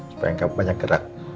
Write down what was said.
supaya gak banyak gerak